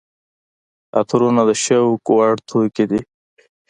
عطرونه د شوق وړ توکي دي.